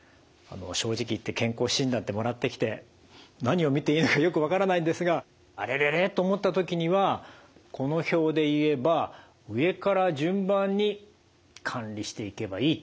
正直言って健康診断ってもらってきて何を見ていいのかよく分からないんですが「あれれれ？」と思った時にはこの表で言えば上から順番に管理していけばいいっていうことですね。